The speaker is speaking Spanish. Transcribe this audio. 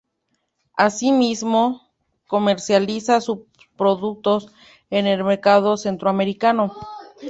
Así mismo, comercializa sus productos en el mercado centroamericano.